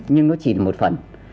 nhưng nó chỉ là một phần